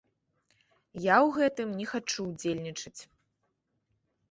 Я ў гэтым не хачу ўдзельнічаць.